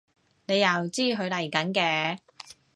你又知佢嚟緊嘅？